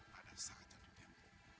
pada saat yang dikenal